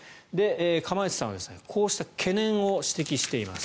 釜萢さんはこうした懸念を提唱しています。